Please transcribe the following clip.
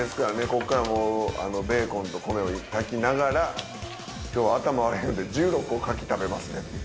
こっからもうベーコンと米を炊きながら「今日はあたまわるいので１６個牡蠣食べますね」。